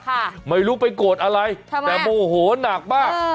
ค่ะไม่รู้ไปโกรธอะไรทำไมแต่โมโหหนักป่ะเออ